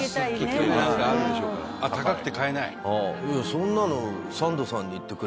そんなの。